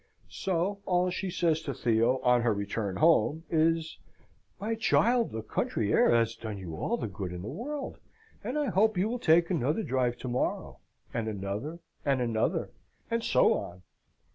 So, all she says to Theo on her return home is, "My child, the country air has done you all the good in the world, and I hope you will take another drive to morrow, and another, and another, and so on."